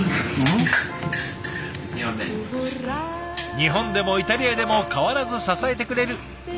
日本でもイタリアでも変わらず支えてくれるお弁当さん。